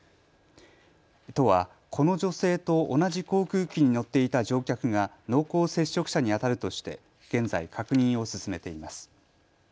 都はこの女性と同じ航空機に乗っていた乗客が濃厚接触者にあたるとして現在、確認を進めています。